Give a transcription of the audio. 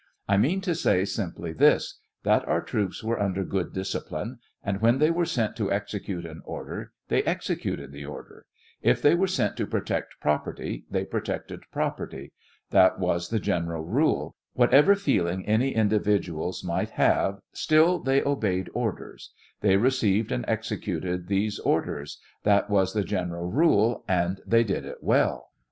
I mean to say Bimply this : that our troops were under good discipline, and when they were sent to execute an order they exe cuted the order ; if they were sent to protect property they protected property ; that was the general rule ; whatever feeling any individuals might have, still they obeyed orders ; they received and executed these or ders ; that was the general rule ; and they did it well.